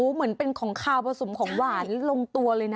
เหมือนเป็นของขาวผสมของหวานลงตัวเลยนะ